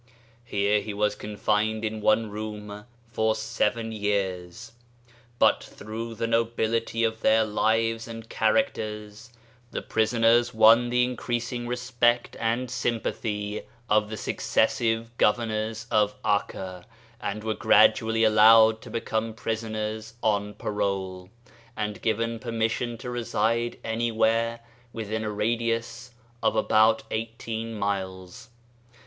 Here he was confined in one room for seven years ; but through the nobility of their lives and characters, the prisoners won the increasing respect and sympathy of the success ive Governors of Akka, and were gradually allowed to become prisoners on parole, and given permission to reside anywhere within a radius of about eighteen miles.